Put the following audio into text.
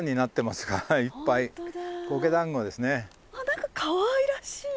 何かかわいらしい。